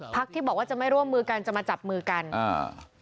ที่บอกว่าจะไม่ร่วมมือกันจะมาจับมือกันอ่า